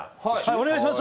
お願いします